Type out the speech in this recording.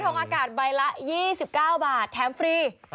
อากาศใบละ๒๙บาทแถมฟรี